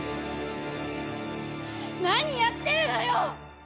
何やってるのよ！